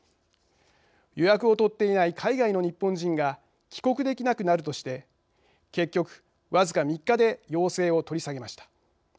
予約を取っていない海外の日本人が帰国できなくなるとして結局、僅か３日で要請を取り下げました。